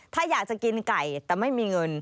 ถ้าอยากจะกินไก่แต่ไม่มีเงิน